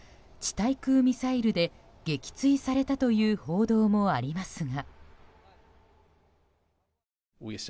対空ミサイルで撃墜されたという報道もありますが。